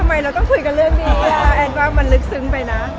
เราต้องคุยกันเรื่องนี้แอนว่ามันลึกซึ้งไปนะ